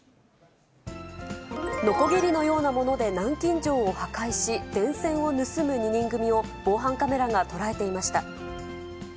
のこぎりのようなもので南京錠を破壊し、電線を盗む２人組を防犯カメラが捉えていました。